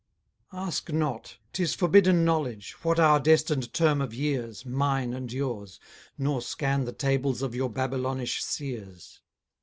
Ask not ('tis forbidden knowledge), what our destined term of years, Mine and yours; nor scan the tables of your Babylonish seers.